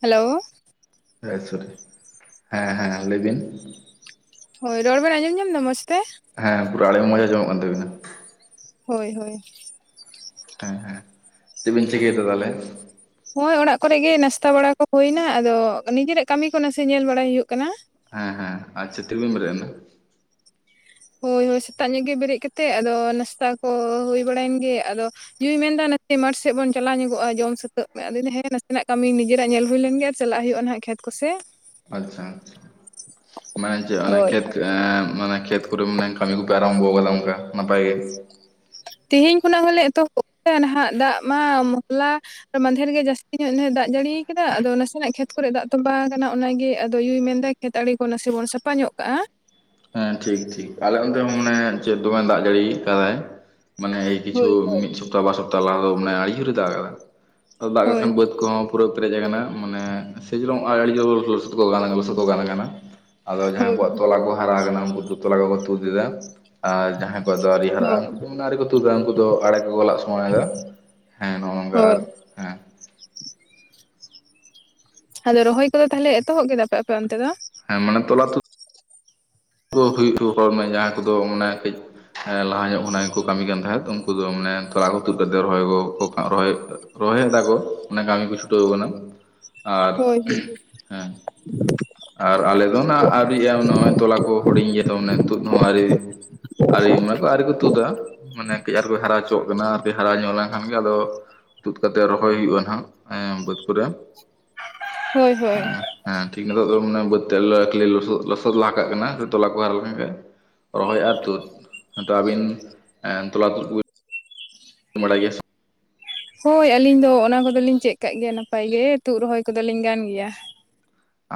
Hello [unintelligible] ᱦᱮᱸ ᱦᱮᱸ ᱞᱟᱹᱭ ᱵᱤᱱ ᱦᱳᱭ ᱨᱚᱲ ᱵᱮᱱ ᱟᱸᱡᱚᱢ ᱧᱟᱢ ᱮᱫᱟ ᱢᱚᱡᱽ ᱛᱮ? ᱦᱮᱸ ᱯᱩᱨᱟ ᱟᱲᱟᱝ ᱢᱚᱡ ᱟᱸᱡᱚᱢᱚᱜ ᱠᱟᱱ ᱛᱟᱵᱤᱱᱟ᱾ ᱦᱳᱭ ᱦᱳᱭ ᱦᱮᱸ ᱦᱮᱸ ᱪᱮᱜ ᱵᱮᱱ ᱪᱤᱠᱟ ᱮᱫᱟ ᱛᱟᱦᱞᱮ? ᱱᱚᱜᱼᱚᱭ ᱚᱲᱟᱜ ᱠᱚᱨᱮ ᱜᱮ ᱱᱟᱥᱛᱟ ᱵᱟᱲᱟ ᱠᱚ ᱦᱚᱭᱮᱱᱟ ᱟᱫᱚ ᱱᱤᱡᱮᱨᱟᱜ ᱠᱟᱹᱢᱤ ᱠᱚ ᱱᱟᱥᱮ ᱧᱮᱞ ᱵᱟᱲᱟᱭ ᱦᱩᱭᱩᱜ ᱠᱟᱱᱟ᱾ ᱦᱮᱸ ᱦᱮᱸ ᱟᱪᱪᱷᱟ ᱛᱤ ᱨᱮᱵᱮᱱ ᱵᱮᱨᱮᱜ ᱱᱟ? ᱦᱳᱭ ᱦᱳᱭ ᱥᱮᱛᱟᱜ ᱧᱚᱜ ᱜᱮ ᱵᱮᱨᱮᱜ ᱠᱟᱛᱮᱜ ᱟᱫᱚ ᱱᱟᱥᱛᱟ ᱠᱚ ᱦᱩᱭ ᱵᱟᱲᱟᱭᱮᱱ ᱜᱮ ᱟᱫᱚ? ᱡᱩᱭᱤ ᱢᱮᱱ ᱮᱫᱟ ᱱᱟᱥᱮ ᱢᱟᱴ ᱥᱮᱜ ᱵᱚᱱ ᱪᱟᱞᱟᱣ ᱧᱚᱜᱼᱟ, ᱡᱚᱢ ᱥᱟᱹᱛᱟᱹᱜ ᱯᱮ, ᱟᱫᱚ ᱦᱮᱸ ᱱᱟᱥᱮᱱᱟᱜ ᱠᱟᱹᱢᱤ ᱱᱤᱡᱮᱨᱟᱜ ᱧᱮᱞ ᱦᱩᱭ ᱞᱮᱱ ᱜᱮ ᱾ [unintelligible] ᱪᱟᱞᱟᱜ ᱦᱩᱭᱩᱜᱼᱟ ᱱᱟᱦᱟᱜ ᱠᱷᱮᱛ ᱠᱚᱥᱮ [unintelligible] ᱟᱪᱪᱷᱟ ᱟᱪᱪᱷᱟ ᱢᱟᱱᱮ ᱡᱮ ᱦᱳᱭ ᱠᱷᱮᱛ ᱢᱟᱱᱮ ᱠᱷᱮᱛ? ᱯᱩᱨᱟᱹ ᱢᱟᱱᱮ ᱠᱟᱹᱢᱤ ᱠᱚᱯᱮ ᱟᱨᱟᱢᱵᱷᱚ ᱟᱠᱟᱫᱟ ᱚᱱᱠᱟ ᱱᱟᱯᱟᱭ ᱜᱮ? ᱛᱮᱦᱮᱧ ᱠᱷᱚᱱᱟᱜ ᱦᱚᱸᱞᱮ ᱮᱛᱚᱦᱚᱵ ᱱᱟᱦᱟᱜ ᱫᱟᱜ ᱢᱟ ᱦᱚᱞᱟ ᱢᱟᱫᱷᱮᱨ ᱨᱮᱜᱮ ᱡᱟᱹᱥᱛᱤ, ᱛᱤᱱᱟᱹᱜ [unintelligible] ᱫᱟᱜ ᱡᱟᱹᱲᱤᱭᱟᱠᱟᱫᱟ ᱟᱫᱚ ᱱᱟᱥᱮᱱᱟᱜ ᱠᱷᱮᱛ, ᱠᱚᱨᱮ ᱫᱟᱜ ᱛᱚᱸᱵᱟ ᱟᱠᱟᱱᱟ ᱚᱱᱟᱜᱮ ᱟᱫᱚ ᱭᱳᱭ ᱢᱮᱱᱫᱟᱭ ᱠᱷᱮᱛ ᱟᱲᱤ ᱠᱚ ᱱᱟᱥᱮ ᱵᱚᱱ ᱥᱟᱯᱷᱟ ᱧᱚᱜ ᱠᱟᱜᱼᱟ᱾ ᱦᱮᱸ ᱴᱷᱤᱠ ᱴᱷᱤᱠ ᱟᱞᱮ ᱚᱱᱛᱮ ᱦᱚᱸ ᱢᱟᱱᱮ ᱪᱮᱜ ᱫᱚᱢᱮ ᱫᱟᱜ ᱡᱟᱹᱲᱤ ᱟᱠᱟᱫᱟᱭ ᱢᱟᱱᱮ ᱮᱭ ᱠᱤᱪᱷᱩ ᱦᱳᱭ ᱦᱳᱭ ᱢᱤᱫ ᱥᱚ [unintelligible] [unintelligible] ᱥᱚᱯᱛᱟᱦ ᱵᱟᱨ ᱥᱚᱯᱛᱟᱦᱚ ᱞᱟᱦᱟ ᱫᱚ ᱢᱟᱱᱮ ᱟᱹᱰᱤ ᱡᱩᱨ ᱮ ᱫᱟᱜ ᱟᱠᱟᱫᱟ ᱟᱫᱚ ᱫᱟᱜ ᱟᱠᱟᱜ ᱠᱷᱟᱱ ᱦᱳᱭ ᱵᱟᱹᱫᱽ ᱠᱚᱦᱚᱸ, ᱯᱩᱨᱟᱹ ᱯᱮᱨᱮᱡ ᱟᱠᱟᱱᱟ ᱢᱟᱱᱮ ᱥᱮ ᱡᱮᱞᱚᱝ ᱟᱹᱰᱤ ᱡᱳᱨ ᱞᱚᱥᱚᱫ ᱞᱚᱥᱚᱫ ᱠᱚ ᱜᱟᱱ ᱟᱠᱟᱱᱟ᱾ ᱟᱫᱚ ᱡᱟᱦᱟᱸᱭ ᱦᱳᱭ ᱠᱚᱣᱟᱜ ᱛᱚᱞᱟ ᱠᱚ ᱦᱟᱨᱟ ᱟᱠᱟᱱᱟ ᱩᱱᱠᱩ ᱫᱚ ᱛᱚᱞᱟ ᱠᱚᱠᱚ ᱛᱩᱫ ᱮᱫᱟ᱾ ᱟᱨ ᱡᱟᱦᱟᱸᱭ ᱠᱚᱣᱟᱜ ᱫᱚ ᱟᱣᱨᱤ ᱦᱟᱨᱟᱜᱼᱟ, ᱦᱳᱭ ᱩᱱᱠᱩ ᱫᱚ ᱟᱣᱨᱤᱮ ᱠᱚ ᱛᱩᱫᱟ ᱩᱱᱠᱩ ᱫᱚ ᱟᱲᱮ ᱠᱚᱠᱚᱞᱟᱜ ᱥᱚᱢᱚᱱ ᱮᱫᱟ᱾ ᱦᱮᱸ ᱱᱚᱜ ᱱᱚᱝᱠᱟ ᱦᱳᱭ ᱟᱨ ᱦᱮᱸ ᱟᱫᱚ ᱨᱚᱦᱚᱭ ᱠᱚᱫᱚ ᱛᱟᱦᱞᱮ ᱮᱛᱚᱦᱚᱵ ᱠᱮᱫᱟᱯᱮ ᱟᱯᱮ ᱚᱱᱛᱮ ᱫᱚ? ᱦᱮᱸ ᱢᱟᱱ ᱛᱚᱞᱟ ᱛᱩᱫ [unintelligible] ᱦᱩᱭᱴᱚ [unintelligible] [inaudible] ᱦᱚᱲᱢᱮ [unintelligible] [inaudible] ᱡᱟᱦᱟᱸ ᱠᱚᱫᱚ ᱚᱱᱮ ᱠᱟᱹᱡ ᱦᱮᱸ ᱞᱟᱦᱟ ᱧᱚᱜ ᱠᱷᱚᱱᱟᱜ ᱜᱮᱠᱚ ᱠᱟᱹᱢᱤ ᱠᱟᱱ ᱛᱟᱦᱮᱸᱫ ᱩᱱᱠᱩ ᱫᱚ ᱢᱟᱱᱮ ᱛᱚᱞᱟ ᱠᱚ ᱛᱩᱫ ᱠᱟᱛᱮ ᱨᱚᱦᱚᱭ ᱜᱚᱜ [inaudible] ᱨᱚᱦᱚᱭ ᱨᱚᱦᱚᱭᱮᱫᱟ ᱠᱚ ᱚᱱᱟ ᱠᱟᱹᱢᱤ ᱠᱚ ᱪᱷᱩᱴᱟᱹᱣᱟ ᱠᱟᱱᱟ᱾ ᱟᱨ ᱦᱳᱭ ᱦᱮᱸ ᱟᱨ ᱟᱞᱮ ᱫᱚ ᱱᱷᱟᱜ ᱟᱹᱰᱤ [unintelligible] ᱱᱚᱜᱼᱚᱭ ᱛᱚᱞᱟ ᱠᱚ, ᱦᱩᱰᱤᱧ ᱜᱮᱭᱟᱛᱚ ᱢᱟᱱᱮ ᱛᱩᱫ ᱦᱚᱸ ᱟᱹᱨᱤ, ᱟᱹᱨᱤ ᱢᱟᱱᱮ ᱠᱚ ᱟᱹᱨᱤ [inaudible] ᱠᱚ ᱛᱩᱫᱟ᱾ ᱢᱟᱱᱮ ᱠᱟᱹᱡ ᱟᱨᱠᱚ ᱦᱟᱨᱟ ᱦᱚᱪᱚᱣᱟᱜ ᱠᱟᱱᱟ ᱟᱨ ᱠᱟᱹᱡ ᱦᱟᱨᱟ ᱧᱚᱜ ᱞᱮᱱᱠᱷᱟᱱ ᱜᱮ ᱟᱫᱚ, ᱛᱩᱫ ᱠᱟᱛᱮ ᱨᱚᱦᱚᱭ ᱦᱩᱭᱩᱜᱼᱟ ᱱᱟᱦᱟᱜ ᱮᱸ ᱵᱟᱹᱫᱽ ᱠᱚᱨᱮ ᱾ ᱦᱳᱭ ᱦᱳᱭ ᱦᱮᱸ ᱴᱷᱤᱠ ᱱᱤᱛᱚᱜ ᱫᱚ ᱵᱟᱹᱛ ᱛᱮᱫ ᱠᱷᱟᱹᱞᱤ ᱞᱚᱥᱚᱫ ᱞᱚᱥᱚᱫ ᱞᱟᱦᱟ ᱠᱟᱜ ᱠᱟᱱᱟ ᱛᱚᱞᱟ ᱠᱚ ᱦᱟᱨᱟ ᱞᱮ ᱠᱷᱟᱱ ᱜᱮ ᱨᱚᱦᱚᱭ ᱟᱨ ᱛᱩᱫ ᱟᱫᱚ ᱟᱹᱵᱤᱱ ᱛᱚᱞᱟ ᱛᱩᱫ ᱠᱩ ᱵᱤᱱ? ᱵᱟᱰᱟᱭ ᱜᱮᱭᱟ ᱥᱮ ᱦᱳᱭ ᱟᱹᱞᱤᱝ ᱫᱚ ᱚᱱᱟ ᱠᱚᱫᱚᱞᱤᱝ ᱪᱮᱜ ᱠᱟᱜ ᱜᱮᱭᱟ ᱱᱟᱯᱟᱭ ᱜᱮ ᱛᱩᱫ ᱨᱚᱦᱚᱭ ᱠᱚᱫᱚᱞᱤᱝ ᱜᱟᱱ ᱜᱮᱭᱟ᱾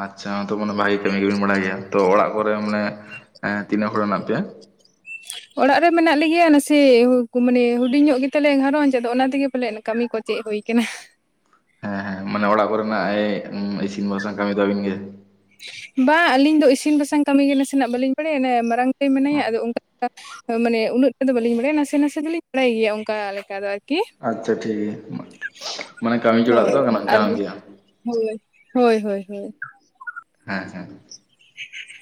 ᱟᱪᱪᱷᱟ ᱛᱚ ᱢᱟᱱᱮ ᱵᱷᱟᱜᱮ ᱠᱟᱹᱢᱤ ᱜᱮᱵᱤᱱ ᱵᱟᱲᱟᱭ ᱜᱮᱭᱟ, ᱛᱚ ᱚᱲᱟᱜ ᱠᱚᱨᱮ ᱢᱟᱱᱮ ᱛᱤᱱᱟᱹᱜ ᱦᱚᱲ ᱦᱮᱱᱟᱜ ᱯᱮᱭᱟ? ᱚᱲᱟᱜ ᱨᱮ ᱢᱮᱱᱟᱜ ᱞᱮᱜᱮᱭᱟ ᱱᱟᱥᱮ ᱢᱟᱱᱮ ᱦᱩᱰᱤᱧᱚᱜ ᱜᱮᱛᱟᱞᱮᱭᱟ ᱜᱷᱟᱨᱚᱸᱧᱡᱽ ᱟᱫᱚ ᱚᱱᱟ ᱛᱮᱜᱮ ᱯᱟᱞᱮ ᱠᱟᱹᱢᱤ ᱠᱚ ᱪᱮᱜ ᱦᱳᱭ ᱠᱟᱱᱟ᱾ ᱦᱮᱸ ᱦᱮᱸ, ᱢᱟᱱᱮ ᱚᱲᱟᱜ ᱠᱚᱨᱮᱱᱟᱜ ᱤᱥᱤᱱ ᱵᱟᱥᱟᱝ ᱠᱟᱹᱢᱤ ᱛᱟᱹᱵᱤᱱ ᱜᱮ? ᱵᱟ ᱟᱹᱞᱤᱧ ᱫᱚ ᱤᱥᱤᱱ ᱵᱟᱥᱟᱝ ᱠᱟᱹᱢᱤ ᱜᱮ ᱱᱟᱥᱮᱱᱟᱜ ᱵᱟᱹᱞᱤᱧ ᱵᱟᱲᱟᱭᱟ ᱢᱟᱨᱟᱝ ᱫᱟᱹᱭ ᱢᱮᱱᱟᱭᱟ, ᱟᱫᱚ ᱚᱝᱠᱟ ᱢᱟᱱᱮ ᱩᱱᱟᱹᱜ ᱴᱟ ᱫᱚ ᱵᱟᱹᱞᱤᱧ ᱵᱟᱲᱟᱭᱟ ᱱᱟᱥᱮ ᱱᱟᱥᱮ ᱫᱚᱞᱤᱧ ᱵᱟᱲᱟᱭ ᱜᱮᱭᱟ ᱚᱱᱠᱟ ᱞᱮᱠᱟ ᱫᱚ᱾ ᱟᱨᱠᱤ ᱟᱪᱪᱷᱟ ᱴᱷᱤᱠ ᱢᱟᱱᱮ ᱠᱟᱹᱢᱤ ᱡᱚᱲᱟᱜ ᱦᱳᱭ ᱫᱚ ᱜᱟᱱᱚᱜ ᱟᱨ ᱠᱟᱱ ᱜᱮᱭᱟ᱾ ᱦᱳᱭ ᱦᱳᱭ ᱦᱳᱭ ᱦᱳᱭ ᱾ ᱦᱮᱸ ᱦᱮᱸ᱾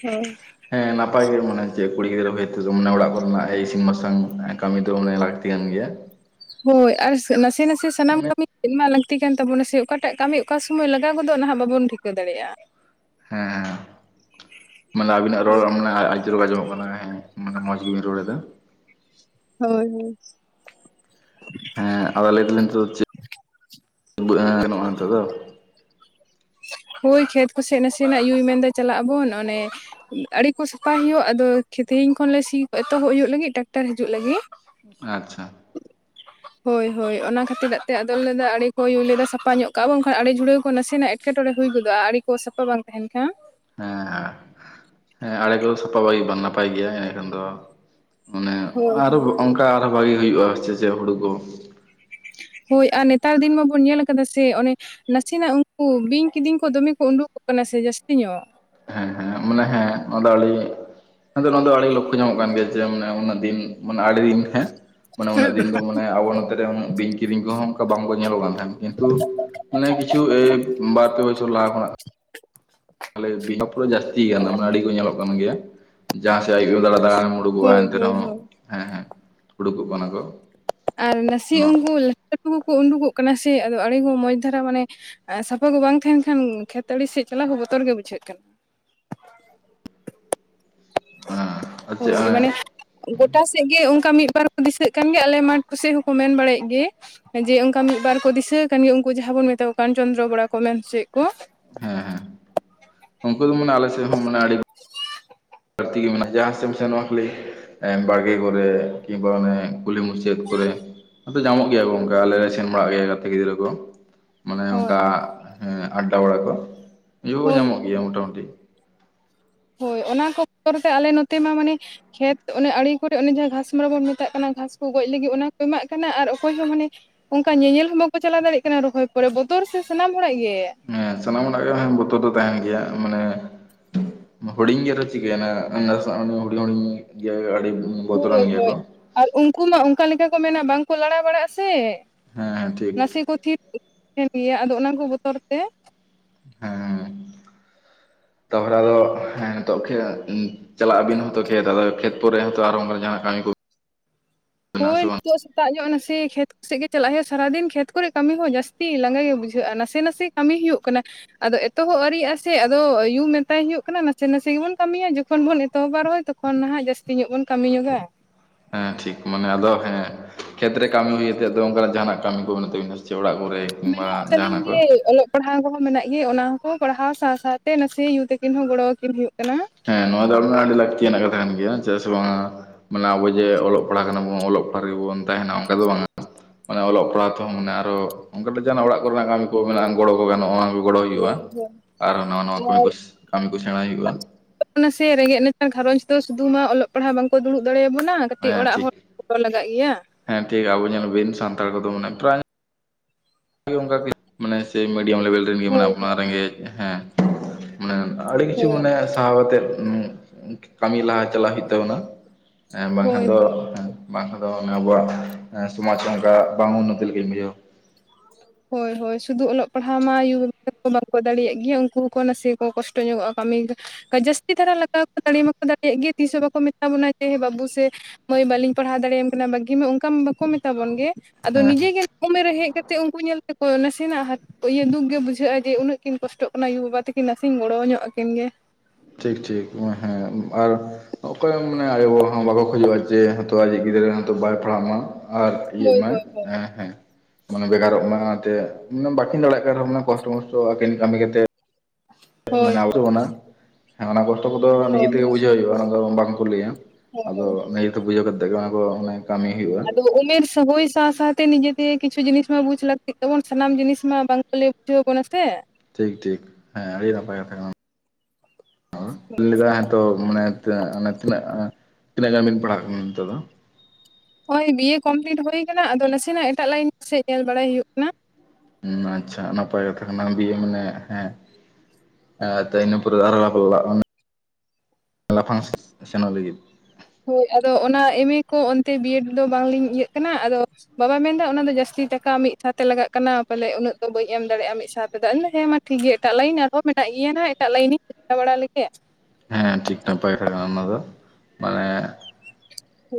ᱦᱳᱭ᱾ ᱦᱮᱸ ᱱᱟᱯᱟᱭ ᱜᱮ ᱢᱟᱱᱮ ᱪᱮᱫ ᱠᱩᱲᱤ ᱜᱤᱫᱽᱨᱟᱹ ᱦᱚᱭᱛᱮᱫᱚ ᱢᱟᱱᱮ ᱚᱲᱟᱜ ᱠᱚᱨᱮᱱᱟᱜ ᱮ ᱤᱥᱤᱱ ᱵᱟᱥᱟᱝ ᱠᱟᱹᱢᱤ ᱛᱟᱵᱚᱱᱟ ᱚᱱᱮ ᱛᱤᱭᱟᱱ ᱜᱮᱭᱟ᱾ ᱦᱳᱭ ᱟᱨ ᱱᱟᱥᱮ ᱱᱟᱥᱮ ᱥᱟᱱᱟᱢ ᱢᱟᱱᱮ ᱠᱟᱹᱢᱤ ᱢᱟ ᱞᱟᱹᱠ [inaudible] ᱞᱟᱹᱠᱛᱤ ᱠᱟᱱ ᱛᱟᱵᱚᱱᱟ ᱥᱮ ᱚᱠᱟᱴᱟᱜ ᱠᱟᱹᱢᱤ ᱚᱠᱟ ᱥᱩᱢᱟᱹᱭ ᱞᱟᱜᱟᱣ ᱜᱚᱫᱚᱜ ᱱᱟᱦᱟᱜ ᱵᱟᱵᱚᱱ ᱴᱷᱤᱠᱟᱹ ᱫᱟᱲᱮᱭᱟᱜᱼᱟ ᱾ ᱦᱮᱸ ᱢᱟᱱᱮ ᱟᱵᱤᱱᱟᱜ ᱨᱚᱲ ᱢᱟᱱᱮ, ᱡᱳᱨᱜᱮ ᱟᱸᱡᱚᱢᱚᱜ ᱠᱟᱱᱟ ᱦᱮᱸ ᱢᱟᱱᱮ ᱢᱚᱸᱡᱽ ᱜᱮᱵᱤᱱ ᱨᱚᱲᱮᱫᱟ᱾ ᱦᱳᱭ ᱦᱳᱭ᱾ ᱦᱮᱸ ᱟᱫᱚ ᱞᱟᱹᱭ ᱫᱟᱹᱞᱤᱝ ᱱᱤᱛᱚᱜ ᱫᱚ ᱪᱮᱫ [inaudible] ᱦᱩᱵᱟᱹᱜ [inaudible] ᱜᱟᱱᱚᱜᱼᱟ ᱦᱤᱸᱛᱚᱜ ᱫᱚ᱾ [inaudible] ᱦᱳᱭ ᱠᱷᱮᱛ ᱠᱚᱥᱮᱡ ᱱᱟᱥᱮᱱᱟᱜ ᱭᱩᱭ ᱢᱮᱱᱫᱟ ᱪᱟᱞᱟᱜ ᱟᱵᱚᱱ ᱚᱱᱮ, ᱟᱹᱲᱤ ᱠᱚ ᱥᱟᱯᱟᱭ ᱦᱩᱭᱩᱜ ᱟᱫᱚ ᱠᱷᱮᱛ ᱛᱮᱦᱤᱧ ᱠᱷᱚᱱᱞᱮ ᱥᱤ ᱮᱛᱚᱦᱚᱵ ᱦᱩᱭᱩᱜ ᱞᱟᱹᱜᱤᱫ ᱴᱟᱠᱴᱟᱨ ᱦᱤᱡᱩᱜ ᱞᱟᱹᱜᱤᱫ᱾ ᱟᱪᱪᱷᱟ ᱾ ᱦᱳᱭ ᱦᱳᱭ ᱚᱱᱟ ᱠᱷᱟᱹᱛᱤᱨᱟᱜ ᱛᱮ ᱟᱫᱚ ᱞᱮᱫᱟ ᱟᱹᱲᱮ ᱠᱚ ᱭᱩᱭ ᱞᱟᱹᱭᱫᱟ ᱥᱟᱯᱷᱟ ᱧᱚᱜ ᱠᱟᱜᱼᱟᱵᱚᱱ ᱵᱟᱝᱠᱷᱟᱱ ᱟᱹᱰᱤ ᱡᱷᱩᱲᱟᱹ ᱠᱚ ᱱᱟᱥᱮᱱᱟ ᱮᱴᱠᱮ ᱴᱚᱬᱮ ᱦᱩᱭ ᱜᱚᱫᱚᱜᱼᱟ ᱟᱹᱲᱤ ᱠᱚ ᱥᱟᱯᱷᱟ ᱵᱟᱝ ᱛᱟᱦᱮᱱ ᱠᱷᱟᱱ᱾ ᱦᱮᱸ ᱦᱮᱸ ᱟᱲᱮ ᱠᱚ ᱥᱟᱯᱟ ᱵᱟᱭ ᱵᱟᱝ ᱱᱟᱯᱟᱭ ᱜᱮᱭᱟ ᱮᱸᱰᱮᱠᱷᱟᱱ ᱫᱚ, ᱢᱟᱱᱮ ᱦᱳᱭ ᱟᱨᱚ ᱦᱳᱭ ᱚᱝᱠᱟ ᱟᱨᱦᱚᱸ ᱵᱷᱟᱜᱮ ᱦᱩᱭᱩᱜᱼᱟ ᱪᱮ ᱪᱮᱫ ᱦᱩᱲᱩ ᱠᱚ‌? ᱦᱳᱭ ᱟᱨ ᱱᱮᱛᱟᱨ ᱫᱤᱱ ᱢᱟᱵᱚᱱ ᱧᱮᱞ ᱠᱟᱫᱟ ᱥᱮ ᱚᱱᱮ ᱱᱟᱥᱮᱱᱟᱜ ᱩᱱᱠᱩ ᱵᱤᱧ ᱠᱤᱫᱤᱧ ᱠᱚ ᱫᱚᱢᱮ ᱠᱚ ᱩᱰᱩᱠᱚᱜ ᱠᱟᱱᱟ ᱥᱮ ᱡᱟᱹᱥᱛᱤ ᱧᱚᱜ, ᱦᱮᱸ ᱦᱮᱸ ᱢᱟᱱᱮ ᱦᱮᱸ ᱚᱱᱟᱫᱚ ᱟᱹᱲᱤ, [inaudible] ᱦᱮᱸᱫᱚ ᱱᱚᱣᱟ ᱫᱚ ᱟᱹᱰᱤ ᱞᱚᱠᱠᱷᱚ ᱧᱟᱢᱚᱜ ᱠᱟᱱ ᱜᱮᱭᱟ ᱡᱮ ᱢᱟᱱᱮ ᱩᱱᱟᱹᱜ ᱫᱤᱱ ᱢᱟᱱᱮ ᱟᱹᱰᱤ ᱫᱤᱱ ᱦᱮᱸ ᱢᱟᱱᱮ ᱩᱱᱟᱹᱜ ᱫᱤᱱ ᱫᱚ ᱢᱟᱱᱮ ᱟᱵᱚ ᱱᱚᱛᱮ ᱨᱮ ᱩᱱᱟᱹᱜ ᱵᱤᱧ ᱠᱤᱫᱤᱧ ᱠᱚᱦᱚᱸ ᱚᱱᱠᱟ ᱵᱟᱝ ᱠᱚ ᱧᱮᱞᱚᱜ ᱠᱟᱱ ᱛᱟᱦᱮᱸᱱ ᱠᱤᱱᱛᱩ ᱚᱱᱮ ᱠᱤᱪᱷᱩ ᱮ ᱵᱟᱨ ᱯᱮ ᱵᱚᱪᱷᱚᱨ ᱞᱟᱦᱟ ᱠᱷᱚᱱᱟᱜ, ᱟᱞᱮ ᱵᱤᱧ ᱯᱩᱨᱟᱹ ᱡᱟᱹᱥᱛᱤ ᱜᱮᱭᱟ ᱢᱟᱱᱮ ᱟᱹᱰᱤ ᱠᱚ ᱧᱮᱞᱚᱜ ᱠᱟᱱ ᱜᱮᱭᱟ ᱡᱟᱦᱟᱸ ᱥᱮᱫ ᱟᱹᱭᱩᱵ ᱫᱟᱬᱟ ᱫᱟᱬᱟᱱ, [inaudible] ᱩᱰᱩᱠᱩᱜᱼᱟ [inaudible] ᱦᱳᱭ ᱮᱱᱛᱮ ᱦᱳᱭ ᱨᱮᱦᱚᱸ ᱦᱳᱭ ᱦᱮᱸ ᱦᱮᱸ ᱩᱰᱩᱠᱩᱜ ᱠᱟᱱᱟ ᱠᱚ᱾ ᱟᱨ ᱱᱟᱥᱮ ᱱᱚ ᱩᱱᱠᱩ ᱞᱟᱹᱴ ᱞᱟᱹᱴᱩ ᱠᱚᱠᱚ ᱩᱰᱩᱠᱚᱜ ᱠᱟᱱᱟ ᱥᱮ ᱟᱫᱚ ᱟᱹᱲᱮ ᱠᱚ ᱢᱚᱸᱡᱽ ᱫᱷᱟᱨᱟ ᱢᱟᱱᱮ, ᱥᱟᱯᱷᱟ ᱠᱚ ᱵᱟᱝ ᱛᱟᱦᱮᱱ ᱠᱷᱟᱱ ᱠᱷᱮᱛ ᱟᱲᱮ ᱥᱮᱫ ᱪᱟᱞᱟᱜ ᱦᱚᱸ ᱵᱚᱛᱚᱨ ᱜᱮ ᱵᱩᱡᱷᱟᱹᱜ ᱠᱟᱱᱟ᱾ ᱦᱮᱸ ᱟᱨ ᱪᱮᱫ ᱦᱳᱭ ᱢᱟᱱᱮ ᱦᱮᱸ ᱜᱚᱴᱟ ᱥᱮᱫ ᱜᱮ ᱚᱝᱠᱟ ᱢᱤᱫᱵᱟᱨ ᱠᱚ ᱫᱤᱥᱟᱹᱜ ᱠᱟᱱ ᱜᱮᱭᱟ ᱟᱞᱮ ᱢᱟᱴ ᱠᱩ ᱥᱮᱫ ᱦᱚᱸᱠᱚ ᱢᱮᱱ ᱵᱟᱲᱟᱭᱮᱜ ᱜᱮ, ᱡᱮ ᱚᱝᱠᱟ ᱢᱤᱫᱵᱟᱨ ᱠᱚ ᱫᱤᱥᱟᱹ ᱠᱟᱱ ᱜᱮᱭᱟ ᱩᱱᱠᱩ ᱡᱟᱦᱟᱸ ᱵᱚᱱ ᱢᱮᱛᱟ ᱠᱚ ᱠᱟᱱ ᱪᱚᱱᱫᱨᱚ ᱵᱚᱲᱟ ᱠᱚ ᱢᱮᱱ ᱦᱚᱪᱚᱭᱮᱫ ᱠᱚᱣᱟ᱾ ᱦᱮᱸ ᱦᱮᱸ ᱩᱱᱠᱩ ᱫᱚ ᱢᱟᱱᱮ ᱟᱞᱮ ᱥᱮᱫ ᱦᱚᱸ ᱢᱟᱱᱮ ᱟᱹᱰᱤ, [inaudible] ᱵᱟᱹᱲᱛᱤ ᱜᱮ ᱢᱮᱱᱟᱜᱼᱟ ᱡᱟᱦᱟᱸ ᱥᱮᱫ ᱮᱢ ᱥᱮᱱᱚᱜ ᱠᱷᱟᱞᱤ ᱵᱟᱲᱜᱮ ᱠᱚᱨᱮ ᱠᱤᱱᱵᱟ‌ ᱚᱱᱮ ᱠᱩᱞᱤ ᱢᱩᱪᱟᱹᱫ ᱠᱚᱨᱮ, ᱟᱫᱚ ᱧᱟᱢᱚᱜ ᱜᱮᱭᱟ ᱠᱚ ᱚᱱᱠᱟ ᱟᱞᱮ ᱥᱮᱱ ᱵᱟᱲᱟᱜ ᱜᱮᱭᱟ ᱜᱟᱛᱮ ᱜᱤᱫᱽᱨᱟᱹ ᱠᱚ ᱢᱟᱱᱮ ᱦᱳᱭ ᱚᱱᱠᱟ, ᱦᱮᱸ ᱟᱰᱟ ᱵᱟᱲᱟ ᱠᱚ ᱠᱤᱭᱟᱹ ᱦᱚᱸ ᱦᱳᱭ ᱧᱟᱢᱚᱜ ᱦᱳᱭ ᱜᱮᱭᱟ ᱢᱚᱴᱟ ᱢᱩᱴᱤ ᱾ ᱦᱳᱭ ᱚᱱᱟ ᱠᱚ ᱯᱚᱨᱮᱛᱮ ᱟᱞᱮ ᱱᱚᱛᱮ ᱢᱟ ᱢᱟᱱᱮ, ᱠᱷᱮᱛ ᱚᱱᱟ ᱟᱲᱮ ᱠᱚᱨᱮ ᱚᱱ ᱡᱟᱦᱟᱸ ᱜᱷᱟᱥᱢᱟᱨᱟ ᱵᱚᱱ ᱢᱮᱛᱟᱜ ᱠᱟᱱᱟ ᱜᱷᱟᱸᱥ ᱠᱚ ᱜᱚᱡ ᱞᱟᱹᱜᱤᱫ ᱚᱱᱟ ᱠᱚ ᱮᱢᱟᱜ ᱠᱟᱱᱟ ᱟᱨ ᱚᱠᱚᱭᱦᱚᱸ ᱢᱟᱱᱮ ᱚᱱᱠᱟ ᱧᱮᱧᱮᱞ ᱦᱚᱸ ᱵᱟᱠᱚ ᱪᱟᱞᱟᱣ ᱫᱟᱲᱮᱜ ᱠᱟᱱᱟ ᱨᱚᱦᱚᱭ ᱯᱚᱨᱮ ᱵᱚᱛᱚᱨ ᱥᱮ ᱥᱟᱱᱟᱢ ᱦᱚᱲᱟᱜ ᱜᱮ᱾ ᱦᱮᱸ ᱥᱟᱱᱟᱢ ᱦᱚᱲᱟᱜ ᱜᱮ ᱵᱚᱛᱚᱨ ᱫᱚ ᱛᱟᱦᱮᱱ ᱜᱮᱭᱟ ᱢᱟᱱᱮ ᱦᱩᱰᱤᱧ ᱜᱮ ᱨᱮᱚ ᱪᱤᱠᱟᱹᱭᱱᱟ [unintelligible] ᱦᱩᱰᱤᱧ ᱟᱹᱰᱤ ᱦᱳᱭ ᱵᱚᱛᱚᱨᱟᱱ ᱜᱮᱭᱟ ᱦᱳᱭ, ᱠᱚ ᱟᱨ ᱩᱱᱠᱩ ᱢᱟ ᱚᱱᱠᱟ ᱞᱮᱠᱟ ᱠᱚ ᱢᱮᱱᱟ ᱵᱟᱝᱠᱚ ᱞᱟᱲᱟᱣ ᱵᱟᱲᱟᱜᱼᱟ ᱥᱮ ᱦᱮᱸ ᱦᱮᱸ ᱴᱷᱤᱠ ᱱᱟᱥᱮ ᱠᱚ ᱛᱷᱤᱨ ᱛᱟᱦᱮᱱ ᱜᱮᱭᱟ ᱟᱫᱚ ᱚᱱᱟ ᱠᱚ ᱵᱚᱛᱚᱨ ᱛᱮ᱾ ᱦᱮᱸ᱾ [inaudible] ᱛᱟᱯᱚᱨᱮ ᱟᱫᱚ ᱦᱮᱸ ᱱᱤᱛᱚᱜ [unintelligible] ᱪᱟᱞᱟᱜ ᱟᱵᱤᱱ ᱦᱚᱸᱛᱚ ᱠᱷᱮᱛ ᱟᱫᱚ ᱠᱷᱮᱛ ᱯᱚᱨᱮ ᱦᱚᱸᱛᱚ ᱟᱨ ᱚᱱᱠᱟᱱᱟᱜ ᱠᱟᱹᱢᱤ ᱠᱚ ᱢᱮᱱᱟᱜ ᱦᱳᱭ ᱟᱥᱮ ᱵᱟᱝ ᱱᱮᱛᱚᱜ ᱥᱮᱛᱟᱜ ᱧᱚᱜ ᱱᱟᱥᱮ ᱠᱷᱮᱛ ᱠᱚᱥᱮᱫ ᱜᱮ ᱪᱟᱞᱟᱜ ᱦᱩᱭᱩᱜᱼᱟ, ᱥᱟᱨᱟᱫᱤᱱ ᱠᱷᱮᱛ ᱠᱚᱨᱮ ᱠᱟᱹᱢᱤ ᱦᱚᱸ ᱡᱟᱹᱥᱛᱤ ᱞᱟᱸᱜᱟ ᱜᱮ ᱵᱩᱡᱷᱟᱹᱜᱼᱟ, ᱱᱟᱥᱮ ᱱᱟᱥᱮ ᱠᱟᱹᱢᱤ ᱦᱩᱭᱩᱜ ᱠᱟᱱᱟ᱾ ᱟᱫᱚ ᱮᱛᱚᱦᱚᱵ ᱟᱹᱣᱨᱤ ᱭᱟᱜᱼᱟ ᱥᱮ, ᱟᱫᱚ ᱟᱭᱚ ᱢᱮᱛᱟ ᱦᱩᱭᱩᱜ ᱠᱟᱱᱟ ᱱᱟᱥᱮ ᱱᱟᱥᱮ ᱜᱮᱵᱚᱱ ᱠᱟᱹᱢᱤᱭᱟ ᱡᱚᱠᱷᱚᱱ ᱵᱚᱱ ᱮᱛᱚᱦᱚᱵᱟ ᱨᱚᱦᱚᱭ ᱛᱚᱠᱷᱚᱱ ᱱᱦᱟᱜ ᱡᱟᱹᱥᱛᱤ ᱧᱚᱜ ᱵᱚᱱ ᱠᱟᱹᱢᱤ ᱧᱚᱜᱟ᱾ ᱦᱮᱸ ᱴᱷᱤᱠ ᱢᱟᱱᱮ ᱟᱫᱚ ᱦᱮᱸ ᱠᱷᱮᱛ ᱨᱮ ᱠᱟᱹᱢᱤ ᱦᱩᱭ ᱟᱛᱮᱫ ᱛᱚ ᱚᱱᱠᱟᱱᱟᱜ ᱡᱟᱦᱟᱱᱟᱜ ᱠᱟᱹᱢᱤ ᱠᱚ ᱢᱮᱱᱟᱜ ᱛᱟᱹᱵᱤᱱᱟ ᱥᱮ ᱚᱲᱟᱜ ᱠᱚᱨᱮ ᱠᱤᱝᱵᱟ ᱢᱮᱱᱟᱜ ᱛᱟᱹᱞᱤᱧ ᱡᱟᱦᱟᱱᱟᱜ ᱠᱚ ᱜᱮ ᱚᱞᱚᱜ ᱯᱟᱲᱦᱟᱣ ᱠᱚᱦᱚᱸ ᱢᱮᱱᱟᱜ ᱜᱮ ᱚᱱᱟ ᱦᱚᱸᱠᱚ ᱯᱟᱲᱦᱟᱣ ᱥᱟᱶ ᱥᱟᱶᱛᱮ ᱱᱟᱥᱮᱭᱟᱜ ᱟᱭᱚ ᱛᱤᱹᱠᱤᱱ ᱦᱚᱸ ᱜᱚᱲᱚᱟᱠᱤᱱ ᱦᱩᱭᱩᱜ ᱠᱟᱱᱟ᱾ ᱦᱮᱸ ᱱᱚᱣᱟ ᱫᱚ ᱟᱵᱤᱱᱟᱜ ᱟᱹᱰᱤ ᱞᱟᱹᱠᱛᱤᱭᱟᱱᱟᱜ ᱠᱟᱛᱷᱟ ᱠᱟᱱ ᱜᱮᱭᱟ ᱪᱮᱫᱟᱜ ᱥᱮ ᱵᱟᱝ ᱢᱟᱱᱮ ᱟᱵᱚ ᱡᱮ ᱚᱞᱚᱜ ᱯᱟᱲᱦᱟᱜ ᱠᱟᱱᱟ ᱵᱚᱱ ᱚᱞᱚᱜ ᱯᱟᱲᱦᱟᱜ ᱨᱮᱜᱮ ᱵᱚᱱ ᱛᱟᱦᱮᱱᱟ ᱚᱱᱠᱟ ᱫᱚ ᱵᱟᱝᱟ᱾ ᱢᱟᱱᱮ ᱚᱞᱚᱜ ᱯᱟᱲᱦᱟᱣ ᱛᱮᱦᱚᱸ ᱢᱟᱱᱮ ᱟᱨᱚ ᱚᱱᱠᱟ ᱡᱟᱦᱟᱱᱟᱜ ᱚᱲᱟᱜ ᱠᱚᱨᱮᱱᱟᱜ ᱠᱟᱹᱢᱤ ᱠᱚ ᱢᱮᱱᱟᱜᱼᱟ ᱜᱚᱲᱚ ᱠᱚ ᱜᱟᱱᱚᱜᱼᱟ ᱚᱱᱟ ᱜᱚᱲᱚ ᱦᱩᱭᱩᱜᱼᱟ, ᱟᱨᱦᱚᱸ ᱱᱟᱣᱟ ᱱᱟᱣᱟ ᱠᱟᱹᱢᱤ ᱠᱚ ᱠᱟᱹᱢᱤ ᱠᱚ ᱥᱮᱬᱟᱭ ᱦᱩᱭᱩᱜᱼᱟ ᱾ ᱟᱵᱚ ᱥᱮ ᱨᱮᱸᱜᱮᱡ ᱱᱟᱪᱟᱨ ᱜᱷᱟᱨᱨᱚᱸᱡᱽ ᱫᱚ ᱥᱩᱫᱩ ᱢᱟ ᱚᱞᱚᱜ ᱯᱟᱲᱦᱟᱜ ᱵᱟᱝᱠᱚ ᱫᱩᱲᱩᱵ ᱫᱟᱲᱮᱭᱟᱵᱚᱱᱟ, ᱠᱟᱹᱴᱤᱡ ᱦᱮᱸ ᱚᱲᱟᱜ ᱴᱷᱤᱠ ᱦᱚᱲ ᱵᱚᱞᱚ ᱞᱟᱜᱟᱜ ᱜᱮᱭᱟ᱾ ᱦᱮᱸ ᱴᱷᱤᱠ ᱟᱵᱚ ᱧᱮᱞ ᱵᱤᱱ ᱥᱟᱱᱟᱲ ᱠᱚᱫᱚ ᱢᱟᱱᱮ [unintelligible] ᱚᱱᱠᱟ ᱢᱟᱱᱮ ᱥᱮ ᱢᱤᱰᱤᱭᱟᱢ ᱞᱮᱵᱮᱞ ᱨᱮᱱ ᱜᱮ ᱢᱮᱱᱟᱜ ᱦᱳᱭ ᱵᱚᱱᱟ ᱦᱳᱭ ᱨᱮᱸᱜᱮᱡ ᱦᱮᱸ ᱢᱟᱱᱮ ᱟᱹᱰᱤ ᱠᱤᱪᱷᱩ ᱦᱳᱭ ᱢᱟᱱᱮ ᱥᱟᱦᱟᱣ ᱠᱟᱛᱮᱜ ᱠᱟᱹᱢᱤ ᱞᱟᱦᱟ ᱪᱟᱞᱟᱜ ᱦᱩᱭᱩᱜ ᱛᱟᱵᱚᱱᱟ ᱵᱟᱝᱠᱷᱟᱱ ᱦᱳᱭ ᱫᱚ ᱦᱳᱭ ᱵᱟᱝᱠᱷᱟᱱ ᱫᱚ ᱚᱱᱮ ᱟᱵᱚᱣᱟᱜ ᱥᱚᱢᱟᱡ ᱚᱱᱠᱟ ᱵᱟᱝ ᱩᱱᱚᱛᱤᱜ ᱞᱮᱠᱟᱧ ᱵᱩᱡᱷᱟᱹᱣᱟ ᱾ ᱦᱳᱭ ᱦᱳᱭ ᱥᱩᱫᱩ ᱚᱞᱚᱜ ᱯᱟᱲᱦᱟᱜ ᱢᱟ ᱩᱱᱠᱩ ᱵᱟᱝᱠᱚ ᱫᱟᱲᱮᱭᱟᱜ ᱜᱮᱭᱟ ᱩᱱᱠᱩ ᱦᱚᱸ ᱠᱚ ᱱᱟᱥᱮ ᱠᱚ ᱠᱚᱥᱴᱚ ᱧᱚᱜᱚᱜᱼᱟ ᱠᱟᱹᱢᱤ ᱠᱚ ᱡᱟᱹᱥᱛᱤ ᱫᱷᱟᱨᱟ ᱞᱟᱜ ᱫᱟᱲᱮ ᱢᱟᱠᱚ ᱫᱟᱲᱮᱭᱟᱜ ᱜᱮᱭᱟ ᱛᱤᱥ ᱦᱚᱸ ᱵᱟᱠᱚ ᱢᱮᱛᱟ ᱵᱚᱱᱟ ᱡᱮ ᱦᱮᱸ ᱵᱟᱹᱵᱩ ᱥᱮ ᱢᱟᱹᱭ ᱵᱟᱹᱞᱤᱧ ᱯᱟᱲᱦᱟᱣ ᱫᱟᱲᱮᱭᱟᱢ ᱠᱟᱱᱟ ᱵᱟᱹᱜᱤ ᱢᱮ ᱚᱱᱠᱟ ᱢᱟ ᱵᱟᱠᱚ ᱢᱮᱛᱟ ᱵᱚᱱ ᱜᱮ, ᱟᱫᱚ ᱦᱮᱸ ᱦᱮᱸ ᱱᱤᱡᱮ ᱜᱮ ᱩᱢᱮᱨ ᱨᱮ ᱦᱮᱡ ᱠᱟᱛᱮ ᱩᱱᱠᱩ ᱧᱮᱞ ᱛᱮᱠᱚ ᱱᱟᱥᱮᱱᱟᱜ ᱤᱭᱟᱹ ᱫᱩᱠ ᱜᱮ ᱵᱩᱡᱷᱟᱹᱜᱼᱟ ᱡᱮ ᱩᱱᱟᱹᱜ ᱠᱤᱱ ᱠᱚᱥᱴᱚᱜ ᱠᱟᱱᱟ ᱟᱭᱚ ᱵᱟᱵᱟ ᱛᱟᱠᱤᱱ ᱱᱟᱥᱮᱧ ᱜᱚᱲᱚ ᱧᱚᱜ ᱟᱠᱤᱱ ᱜᱮ᱾ ᱴᱷᱤᱠ ᱴᱷᱤᱠ ᱦᱮᱸ ᱟᱨ ᱚᱠᱚᱭ ᱢᱟᱱᱮ ᱟᱭᱚ ᱵᱟᱵᱟ ᱦᱚᱸ ᱵᱟᱠᱚ ᱠᱷᱚᱡᱚᱜᱼᱟ ᱡᱮ ᱦᱚᱭᱛᱚ ᱟᱡᱤᱡ ᱜᱤᱫᱽᱨᱟᱹ ᱫᱚ ᱵᱟᱭ ᱯᱟᱲᱦᱟᱜ ᱢᱟ, ᱟᱨ ᱤᱭᱟᱹ ᱦᱳᱭ ᱢᱟ ᱦᱳᱭ ᱦᱮᱸ ᱢᱟᱱᱮ ᱵᱮᱜᱟᱨᱚᱜ ᱢᱟ ᱚᱱᱟᱛᱮ ᱢᱟᱱᱮ ᱵᱟᱹᱠᱤᱱ ᱫᱟᱲᱮᱭᱟᱜ ᱠᱟᱱ ᱨᱮᱦᱚᱸ ᱠᱚᱥᱴᱚ ᱢᱚᱥᱴᱚ ᱟᱹᱠᱤᱱ ᱠᱟᱹᱢᱤ ᱠᱟᱛᱮ [inaudible] ᱢᱟᱱᱮ ᱟᱵᱚ ᱫᱚ ᱚᱱᱟ ᱦᱮᱸ ᱚᱱᱟ ᱠᱚᱥᱴᱚ ᱠᱚᱫᱚ ᱱᱤᱡᱮ ᱦᱳᱭ ᱛᱮᱜᱮ ᱵᱩᱡᱷᱟᱹᱣ ᱦᱩᱭᱩᱜᱼᱟ ᱚᱱᱟ ᱫᱚ ᱵᱟᱝ ᱠᱚ ᱞᱟᱹᱭᱟ, ᱟᱫᱚ ᱦᱳᱭ ᱵᱩᱡᱷᱟᱹᱣ ᱠᱟᱛᱮ ᱜᱮ ᱚᱱᱟᱠᱚ ᱚᱱᱮ ᱠᱟᱹᱢᱤ ᱦᱩᱭᱩᱜᱼᱟ ᱾ ᱟᱫᱚ ᱩᱢᱮᱨ ᱦᱩᱭᱳ ᱥᱟᱶ ᱥᱟᱶᱟᱛᱮ ᱱᱤᱡᱮᱛᱮ ᱠᱤᱪᱷᱩ ᱡᱤᱱᱤᱥ ᱢᱟ ᱵᱩᱡ ᱞᱟᱹᱠᱛᱤᱜ ᱛᱟᱵᱚᱱ ᱥᱟᱱᱟᱢ ᱡᱤᱱᱤᱥ ᱢᱟ ᱵᱟᱝ ᱞᱟᱹᱭ ᱵᱩᱡᱷᱟᱹᱣ ᱟᱵᱚᱱᱟᱥᱮ ᱾ ᱴᱷᱤᱠ ᱴᱷᱤᱠ ᱦᱮᱸ ᱟᱹᱰᱤ ᱱᱟᱯᱟᱭ ᱠᱟᱛᱷᱟ ᱠᱟᱱᱟ ᱚᱱᱟᱫᱚ ᱞᱟᱹᱭᱫᱟ ᱦᱮᱸ ᱛᱚ ᱢᱟᱱᱮ, ᱛᱮ ᱢᱟᱱᱮ ᱛᱤᱱᱟᱹᱜ ᱛᱤᱱᱟᱹᱜ ᱜᱟᱱ ᱵᱤᱱ ᱯᱟᱲᱦᱟᱜ ᱠᱟᱱᱟ ᱱᱤᱛᱚᱜ ᱫᱚ? ᱦᱚᱭ ᱵᱤ ᱮ ᱠᱚᱢᱯᱞᱤᱴ ᱦᱩᱭ ᱠᱟᱱᱟ ᱟᱫᱚ ᱱᱟᱥᱮᱱᱟᱜᱽ ᱮᱴᱟᱜᱽ ᱞᱟᱭᱤᱱ ᱥᱮᱫ ᱧᱮᱞ ᱵᱟᱲᱟᱭ ᱦᱩᱭᱩᱜᱽ ᱠᱟᱱᱟ᱾ ᱦᱩᱸ ᱟᱪᱪᱷᱟ ᱱᱟᱯᱟᱭ ᱠᱟᱛᱷᱟ ᱠᱟᱱᱟ ᱫᱤ ᱮ ᱢᱟᱱᱮ ᱦᱮᱸ ᱮᱸ ᱛᱮ ᱤᱱᱟᱹ ᱯᱚᱨᱮ ᱟᱨᱚ [unintelligible] ᱞᱟᱯᱷᱟᱝ ᱥᱮᱫ ᱥᱮᱱᱚᱜ ᱞᱟᱹᱜᱤᱫᱽ᱾ ᱦᱳᱭ ᱟᱫᱚ ᱚᱱᱟ ᱮᱢ ᱮ ᱠᱚ ᱚᱱᱛᱮ ᱵᱤ ᱮᱰ ᱫᱚ ᱵᱟᱝ ᱞᱤᱧ ᱤᱭᱟᱹᱜ ᱠᱟᱱᱟ ᱟᱫᱚ, ᱵᱟᱵᱟᱭ ᱢᱮᱱᱫᱟ ᱚᱱᱟ ᱫᱚ ᱡᱟᱹᱥᱛᱤ ᱴᱟᱠᱟ ᱢᱤᱫ ᱥᱟᱶᱛᱮ ᱞᱟᱜᱟᱜ ᱠᱟᱱᱟ ᱯᱟᱞᱮ ᱩᱱᱟᱹᱜ ᱫᱚ ᱵᱟᱹᱧ ᱮᱢ ᱫᱟᱲᱮᱜᱼᱟ ᱢᱤᱫ ᱥᱟᱶᱛᱮᱫᱚ ᱟᱫᱚ ᱢᱮᱱ ᱫᱟ ᱦᱮᱸ ᱢᱟ ᱴᱷᱤᱠ ᱜᱮᱭᱟ ᱮᱴᱟᱜ ᱞᱟᱭᱤᱱ ᱟᱨᱦᱚᱸ ᱢᱮᱱᱟᱜ ᱜᱮᱭᱟ ᱱᱟᱜ ᱮᱴᱟᱜ ᱞᱟᱹᱭᱤᱱ ᱤᱧ ᱪᱮᱥᱴᱟ ᱵᱟᱲᱟ ᱞᱮᱜᱮ᱾ ᱦᱮᱸ ᱴᱷᱤᱠ ᱴᱷᱟᱠ ᱯᱟᱭᱨᱟ ᱠᱟᱱᱟ, ᱚᱱᱟ ᱫᱚ ᱢᱟᱱᱮ,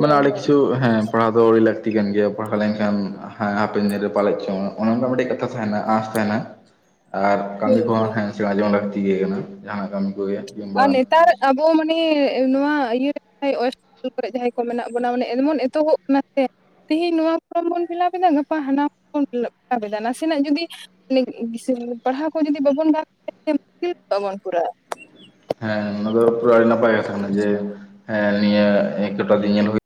ᱢᱟᱱᱮ ᱟᱹᱰᱤ ᱦᱳᱭ ᱠᱤᱪᱷᱩ ᱦᱮᱸ ᱯᱟᱲᱦᱟᱣ ᱫᱚ, ᱟᱹᱰᱤ ᱞᱟᱹᱠᱛᱤ ᱠᱟᱱ ᱜᱮᱭᱟ, ᱯᱟᱲᱦᱟᱣ ᱞᱮᱱᱠᱷᱟᱱ ᱦᱮᱸ ᱦᱟᱯᱮᱱ ᱫᱤᱱ ᱨᱮ ᱯᱟᱞᱮᱡᱽ ᱪᱚᱝ, ᱚᱱᱮ ᱚᱱᱠᱟ ᱢᱤᱫᱴᱮᱡ ᱠᱟᱛᱷᱟ ᱛᱟᱦᱮᱱᱟ, ᱟᱸᱥ ᱛᱟᱦᱮᱱᱟ ᱾ ᱟᱨ ᱦᱳᱭ ᱠᱟᱹᱢᱤ ᱠᱚᱦᱚᱸ ᱦᱳᱭ ᱦᱮᱸ ᱥᱮᱬᱟ ᱡᱚᱝ ᱞᱟᱹᱠᱛᱤ ᱜᱮ ᱠᱟᱱᱟ, ᱡᱟᱦᱟᱱᱟᱜ ᱠᱟᱹᱢᱤ ᱠᱚᱜᱮ, ᱠᱤᱝᱵᱟ ᱛᱟᱨ ᱟᱵᱚ ᱢᱟᱱᱮ ᱮᱸ ᱱᱚᱣᱟ ᱤᱭᱟᱹ [unintelligible] ᱚᱭᱮᱥᱴ ᱵᱮᱝᱜᱚᱞ ᱠᱚᱨᱮ, ᱡᱟᱦᱟᱸᱭ ᱠᱚ ᱢᱮᱱᱟᱜ ᱵᱚᱱᱟ, ᱢᱟᱱᱮ ᱮᱢᱚᱱ ᱮᱛᱚᱦᱚᱵ ᱠᱟᱱᱟ ᱥᱮ ᱛᱮᱦᱤᱧ ᱱᱚᱣᱟ ᱯᱷᱚᱨᱚᱢ ᱵᱚᱱ ᱯᱷᱤᱞᱟᱯ ᱮᱫᱟ, ᱜᱟᱯᱟ ᱦᱟᱱᱟ ᱵᱚᱱ ᱯᱷᱤᱞᱟᱯ ᱮᱫᱟ, ᱱᱟᱥᱮᱱᱟᱜᱽ ᱡᱩᱫᱤ [unintelligible] ᱯᱟᱲᱦᱟᱣ ᱠᱚ ᱡᱩᱫᱤ ᱵᱟᱵᱚᱱ ᱜᱟᱱ [unintelligible] ᱢᱩᱥᱠᱤᱞ ᱠᱚᱜᱽᱼᱟᱵᱚᱱ ᱯᱩᱨᱟ ᱾ ᱦᱮᱸ ᱚᱱᱟ ᱫᱚ ᱟᱹᱰᱤ ᱱᱟᱯᱟᱭ ᱠᱟᱛᱷᱟ ᱠᱟᱱᱟ ᱡᱮ, ᱦᱮᱸ ᱱᱤᱭᱟᱹ ᱮᱸ ᱠᱚᱴᱟ ᱫᱤᱱ ᱧᱮᱞ ᱦᱩᱭ [unintelligible]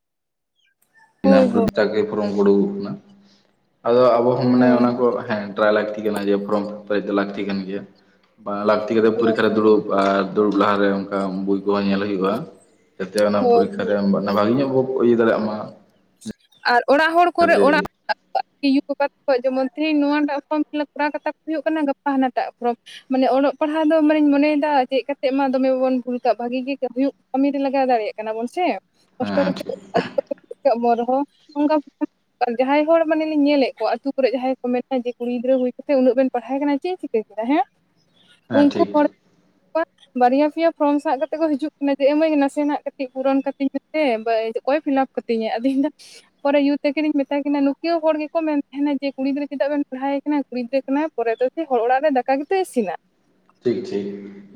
[unintelligible] ᱦᱳᱭ ᱴᱷᱤᱠ ᱦᱳᱭ ᱴᱷᱟᱠ ᱯᱷᱨᱚᱢ ᱩᱰᱩᱠᱚᱜ ᱠᱟᱱᱟ ᱟᱫᱚ ᱟᱵᱚ ᱦᱚᱸ ᱢᱟᱱᱮ ᱦᱳᱭ ᱚᱱᱟ ᱠᱚ ᱦᱮᱸ ᱴᱨᱟᱭ ᱞᱟᱹᱠᱛᱤ ᱠᱟᱱᱟ ᱡᱮ, ᱯᱷᱚᱨᱚᱢ ᱯᱨᱮᱡᱽ ᱫᱚ ᱞᱟᱹᱠᱛᱤ ᱠᱟᱱ ᱜᱮᱭᱟ, ᱵᱟᱝ ᱞᱟᱠᱛᱤ ᱠᱟᱛᱮ ᱦᱳᱭ ᱯᱚᱨᱤᱠᱷᱟ ᱨᱮ ᱫᱩᱲᱩᱵᱽ ᱟᱨ ᱫᱩᱲᱩᱵ ᱞᱟᱦᱟᱨᱮ ᱚᱱᱠᱟ ᱵᱳᱭ ᱠᱚᱦᱚᱸ ᱧᱮᱞ ᱦᱩᱭᱩᱜᱼᱟ, ᱡᱟᱛᱮ ᱚᱱᱟ ᱦᱳᱭ ᱯᱚᱨᱤᱠᱷᱟ ᱦᱳᱭ ᱨᱮᱢ ᱚᱱᱟ ᱵᱷᱟᱜᱤ ᱧᱚᱸᱜᱽ ᱵᱚ ᱤᱭᱟᱹ ᱫᱟᱲᱮᱭᱟᱜ ᱢᱟ [unintelligible] ᱟᱨ ᱚᱲᱟᱜ ᱦᱚᱲ ᱠᱚᱨᱮ ᱚᱲᱟᱜ ᱡᱟᱛᱮ [unintelligible] ᱡᱮᱢᱚᱱ ᱛᱮᱦᱤᱧ [unintelligible] ᱱᱚᱣᱟ ᱢᱟᱜ ᱯᱷᱨᱚᱢ ᱯᱷᱤᱞᱟᱯ ᱠᱚᱨᱟᱣ ᱠᱟᱛᱟ ᱠᱚ ᱦᱩᱭᱩᱜ ᱠᱟᱱᱟ ᱜᱟᱯᱟ ᱦᱟᱱᱟᱴᱟᱜ ᱯᱨᱚᱢ ᱢᱟᱱᱮ ᱚᱞᱚᱜᱽ ᱯᱟᱲᱦᱟᱣ ᱫᱚ ᱢᱟᱱᱮᱧ ᱢᱚᱱᱮᱭᱮᱫᱟ ᱪᱮᱜ ᱠᱟᱛᱮᱫ ᱢᱟ, ᱫᱚᱢᱮᱵᱚᱱ ᱵᱷᱩᱞ ᱠᱟᱜᱽ ᱵᱷᱟᱹᱜᱤ ᱜᱮ ᱦᱩᱭᱩᱜᱽ ᱠᱟᱹᱢᱤ ᱨᱮ ᱞᱟᱜᱟᱣ ᱫᱟᱲᱮᱭᱟᱜ ᱠᱟᱱᱟ ᱵᱚᱱ ᱥᱮ ᱦᱮᱸ ᱠᱚᱥᱴᱚ ᱦᱮᱸ ᱠᱟᱛᱮ ᱴᱷᱤᱠ [unintelligible] ᱵᱚᱱ ᱨᱮᱦᱚᱸ ᱚᱱᱠᱟ ᱟᱨ ᱡᱟᱦᱟᱸᱭ ᱦᱚᱲ ᱢᱟᱱᱮ ᱞᱤᱧ ᱧᱮᱞᱮᱫ ᱠᱚᱣᱟ, ᱟᱛᱩ ᱠᱚᱨᱮ ᱡᱟᱦᱟᱸᱭ ᱠᱚ ᱢᱮᱱᱟ, ᱡᱮ ᱠᱩᱲᱤ ᱜᱤᱫᱽᱨᱟᱹ ᱦᱩᱭ ᱠᱟᱛᱮᱫ ᱩᱱᱟᱹᱜ ᱵᱮᱱ ᱯᱟᱲᱦᱟᱣᱮ ᱠᱟᱱᱟ ᱾ ᱪᱮᱫ ᱤᱧ ᱪᱤᱠᱟᱹ ᱠᱮᱫᱟ ᱦᱮᱸ, ᱦᱮᱸ ᱩᱱᱠᱩ ᱴᱷᱤᱠ ᱦᱚᱲ ᱠᱚᱣᱟ ᱵᱟᱨᱭᱟ ᱯᱮᱭᱟ ᱯᱷᱨᱚᱢ ᱥᱟᱵ ᱠᱟᱛᱮ ᱠᱚ ᱦᱤᱡᱩᱜᱽ ᱠᱟᱱᱟ ᱡᱮ, ᱮᱸ ᱢᱟᱹᱭ ᱱᱟᱥᱮᱱᱟᱜ ᱠᱟᱹᱴᱤᱡᱽ ᱯᱩᱨᱚᱱ ᱠᱟᱛᱮᱧ ᱢᱮ ᱦᱮᱸ ᱵᱟᱭ ᱦᱤᱛᱚᱜᱽ [unintelligible] ᱚᱠᱚᱭ ᱯᱷᱤᱞᱟᱯ ᱠᱟᱹᱛᱤᱧᱟ ᱟᱫᱚ ᱤᱧ ᱫᱚ ᱯᱚᱨᱮ ᱭᱩ ᱛᱟᱹᱠᱤᱱᱤᱧ ᱢᱮᱛᱟ ᱠᱤᱱᱟ ᱱᱩᱠᱤᱭᱟᱹ ᱦᱚᱲ ᱜᱮᱠᱚ ᱠᱚ ᱢᱮᱱ ᱛᱟᱦᱮᱱᱟ ᱡᱮ ᱠᱩᱲᱤ ᱜᱤᱫᱽᱨᱟᱹ ᱪᱮᱫᱟᱜᱽ ᱵᱮᱱ ᱯᱟᱲᱦᱟᱣᱮ ᱠᱟᱱᱟ ᱠᱩᱲᱤ ᱜᱤᱫᱽᱨᱟᱹ ᱠᱟᱱᱟᱭ [unintelligible] ᱯᱚᱨᱮ ᱫᱚ ᱠᱤ ᱦᱚᱲ ᱚᱲᱟᱜ ᱨᱮ ᱫᱟᱠᱟ ᱜᱮᱛᱚ ᱤᱥᱤᱱᱟ᱾ ᱴᱷᱤᱠ ᱴᱷᱤᱠ